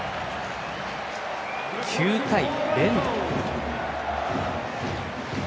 ９回、連打。